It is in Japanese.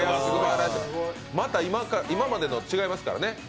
今までのと違いますからね。